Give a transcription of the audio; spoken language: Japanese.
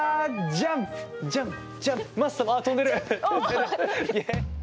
ジャンプジャンプ！